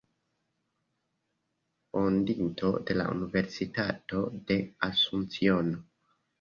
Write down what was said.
Fondinto de la Universitato de Asunciono.